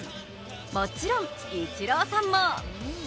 もちろん、イチローさんも。